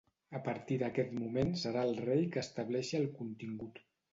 A partir d'aquest moment serà el Rei que estableixi el contingut.